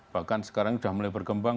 bahkan sekarang sudah mulai berkembang